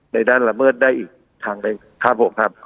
ในด้านละเมิดได้อีกทางเลยครับผมครับ